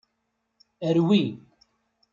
Rwi.